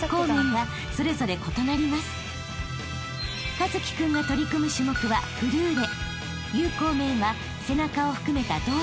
［一輝君が取り組む種目はフルーレ］